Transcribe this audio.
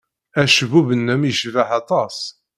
Acebbub-nnem yecbeḥ aṭas.